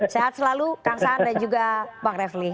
sehat selalu kang saan dan juga bang refli